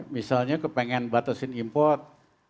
misalnya kepingin batasin import